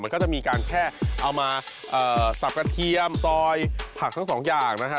ก็จะมีการแค่เอามาสับกระเทียมซอยผักทั้งสองอย่างนะฮะ